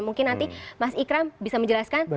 mungkin nanti mas ikram bisa menjelaskan